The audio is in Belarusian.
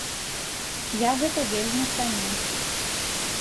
Я гэта вельмі цаню.